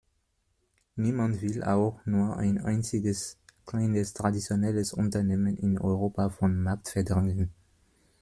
Niemand will auch nur ein einziges kleines, traditionelles Unternehmen in Europa vom Markt verdrängen.